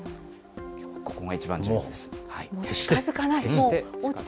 きょう、ここが一番重要です。